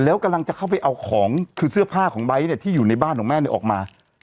แล้วกำลังจะเข้าไปเอาของคือเสื้อผ้าของไบท์เนี่ยที่อยู่ในบ้านของแม่เนี่ยออกมา